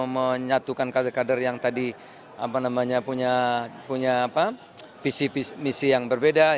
menyatukan kader kader yang tadi punya visi misi yang berbeda